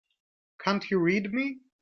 Can't you read me?